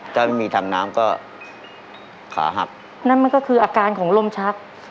ถ้าไม่มีทำน้ำก็ขาหักนั่นมันก็คืออาการของลมชัก